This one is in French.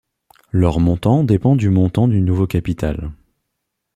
Leur montant dépend du montant du nouveau capital.